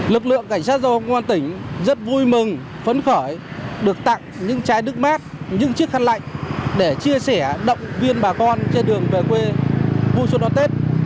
lực lượng cảnh sát giao thông công an tỉnh rất vui mừng phấn khởi được tặng những trái đất mát những chiếc khăn lạnh để chia sẻ động viên bà con trên đường về quê vui xuân đón tết